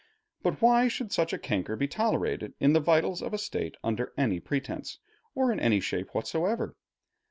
But why should such a canker be tolerated in the vitals of a State, under any pretense, or in any shape whatsoever?